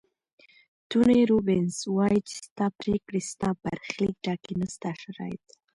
توني روبینز وایي چې ستا پریکړې ستا برخلیک ټاکي نه ستا شرایط.